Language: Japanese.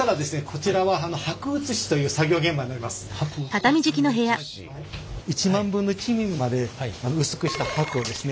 こちらは１万分の１ミリまで薄くした箔をですね